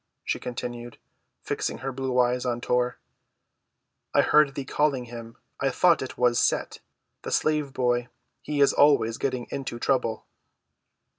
she continued, fixing her blue eyes on Tor. "I heard thee calling him. I thought it was Set, the slave boy; he is always getting into trouble."